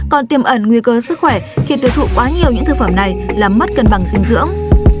còn tiềm ẩn nguy cơ sức khỏe khi tuyệt thụ quá nhiều những thực phẩm này là mất cân bằng dinh dưỡng